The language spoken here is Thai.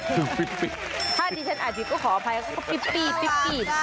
ถ้าที่ฉันอาจิกก็ขออภัยเพราะว่าปิ๊ปปี้ปิ๊ปปี้